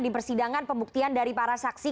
di persidangan pembuktian dari para saksi